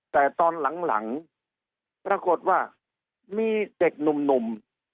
แต่ตอนหลังปรากฏว่ามีเด็กหนุ่ม